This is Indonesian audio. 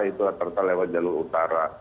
itu terselewat jalur utara